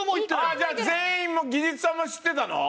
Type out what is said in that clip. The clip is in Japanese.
ああじゃあ全員もう技術さんも知ってたの？